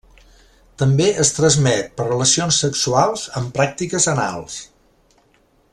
També es transmet per relacions sexuals amb pràctiques anals.